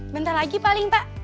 bentar lagi paling pak